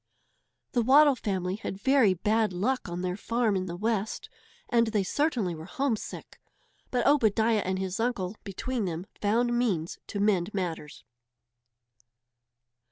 The Waddle family had very bad luck on their farm in the West. And they certainly were homesick! But Obadiah and his uncle, between them, found means to mend matters.